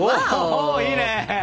おいいね！